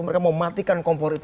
mereka mau matikan kompor itu